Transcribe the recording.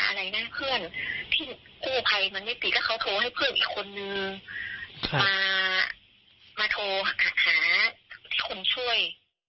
ที่ผู้ภัยมันไม่ติดก็เขาโทรให้เพื่อนอีกคนนึงมาโทรหาที่คุณช่วย